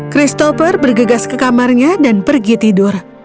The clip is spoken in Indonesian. christopher bergegas ke kamarnya dan pergi tidur